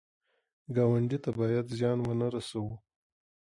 ګاونډي ته باید زیان ونه رسوو